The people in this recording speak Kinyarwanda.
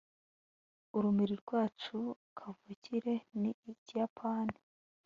ururimi rwacu kavukire ni ikiyapani